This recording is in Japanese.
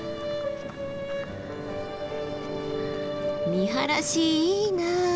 見晴らしいいな。